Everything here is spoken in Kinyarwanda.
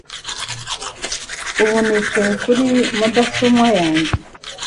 Ubu nicaye kuri mudasobwa yanjye